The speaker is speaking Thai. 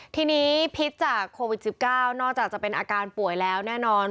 ทีนี้พิษจากโควิด๑๙นอกจากจะเป็นอาการป่วยแล้วแน่นอน